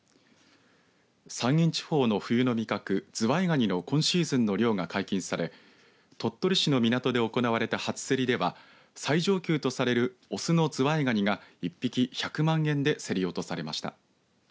山陰地方の冬の味覚ズワイガニの今シーズンの漁が解禁され鳥取市の港で行われた初競りでは最上級とされる雄のズワイガニが１匹１００万円で競り落とされました。